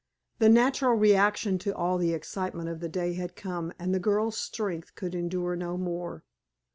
The natural reaction to all the excitement of the day had come, and the girl's strength could endure no more.